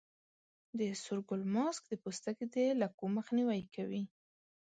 د سور ګل ماسک د پوستکي د لکو مخنیوی کوي.